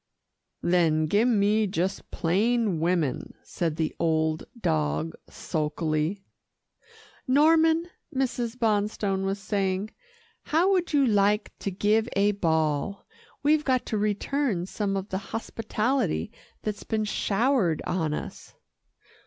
"Then give me just plain women," said the old dog sulkily. "Norman," Mrs. Bonstone was saying, "how would you like to give a ball. We've got to return some of the hospitality that's been showered on us."